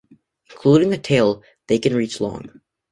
Including the tail, they can reach long.